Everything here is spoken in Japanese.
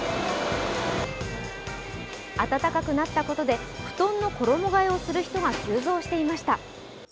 暖かくなったことで、布団の衣替えをする人が急増していました。